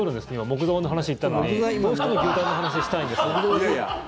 木造の話に行ったのにどうしても牛タンの話したいんですね。